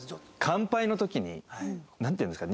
乾杯の時になんていうんですか？